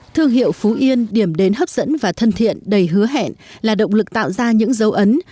thương hiệu phú yên điểm đến hấp dẫn và thân thiện đầy hứa hẹn là động lực tạo ra những dấu ấn